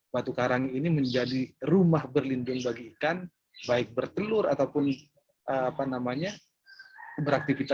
batu karang ini menjadi rumah berlindung bagi ikan baik bertelur ataupun beraktivitas